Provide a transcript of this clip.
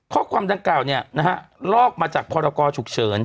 ข้อความดังกล่าวลอกมาจากพรกรฉุกเฉิน